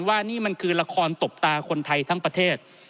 ว่านี่มันคือละครตบตาคนไทยทั้งประเทศ